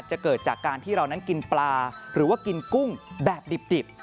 เกิดจากการที่เรานั้นกินปลาหรือว่ากินกุ้งแบบดิบ